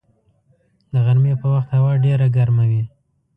د غرمې په وخت هوا ډېره ګرمه وي